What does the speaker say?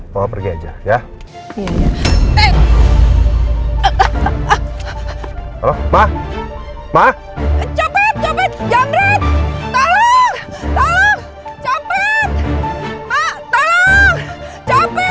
maupun gajah ya iya enggak ah ello mah mah coba coba jangan red